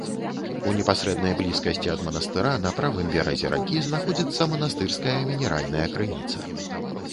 У непасрэднай блізкасці ад манастыра, на правым беразе ракі, знаходзіцца манастырская мінеральная крыніца.